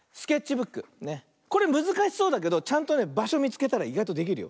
これむずかしそうだけどちゃんとねばしょみつけたらいがいとできるよ。